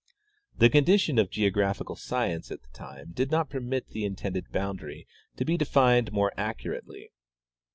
The condition of geographical science at the time did not permit the intended boundary to be defined more accu rately.